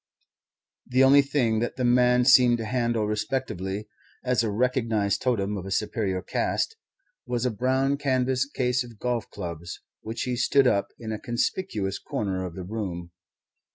The only thing that the man seemed to handle respectfully as a recognized totem of a superior caste was a brown canvas case of golf clubs, which he stood up in a conspicuous corner of the room.